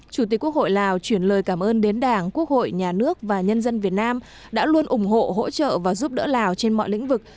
chủ tịch quốc hội lào chuyển lời cảm ơn đến đảng quốc hội nhà nước và nhân dân việt nam đã luôn ủng hộ hỗ trợ và giúp đỡ lào trên mọi lĩnh vực